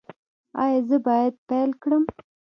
ایا زه باید پیل کړم؟